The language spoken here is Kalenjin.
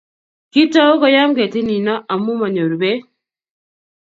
kiitou koyam ketit nino amu manyoru beek